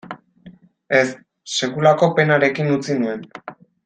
Ez, sekulako penarekin utzi nuen.